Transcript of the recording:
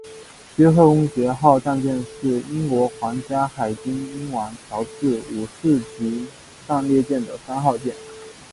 约克公爵号战舰是英国皇家海军英王乔治五世级战列舰的三号舰。